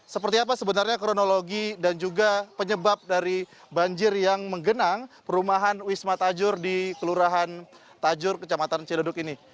seperti apa sebenarnya kronologi dan juga penyebab dari banjir yang menggenang perumahan wisma tajur di kelurahan tajur kecamatan cedoduk ini